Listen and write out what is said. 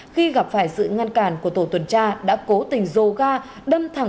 khi gặp phải sự ngăn cản của tổ tuần tra đã cố tình dồ ga đâm thẳng